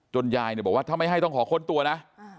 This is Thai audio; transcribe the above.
ยายบอกว่าถ้าไม่ให้ต้องขอค้นตัวนะ